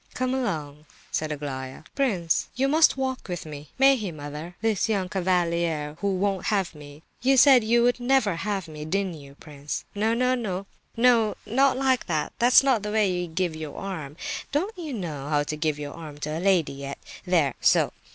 "Come along," said Aglaya. "Prince, you must walk with me. May he, mother? This young cavalier, who won't have me? You said you would never have me, didn't you, prince? No—no, not like that; that's not the way to give your arm. Don't you know how to give your arm to a lady yet? There—so.